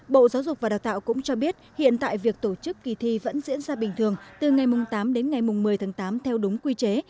bộ giáo dục và đào tạo cũng cho biết hiện tại việc tổ chức kỳ thi vẫn diễn ra bình thường từ ngày tám đến ngày một mươi tháng tám theo đúng quy chế